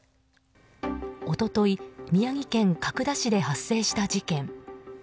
一昨日宮城県角田市で発生した事件。